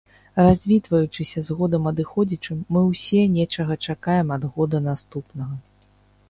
Развітваючыся з годам адыходзячым, мы ўсе нечага чакаем ад года наступнага.